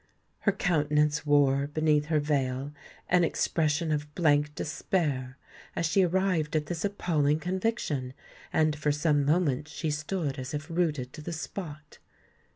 Her countenance wore, beneath her veil, an expression of blank despair, as she arrived at this appalling conviction; and for some moments she stood as if rooted to the spot.